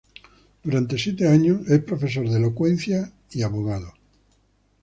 Durante siete años, es profesor de elocuencia y abogado.